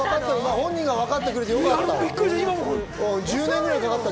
本人がわかってくれてよかったわ。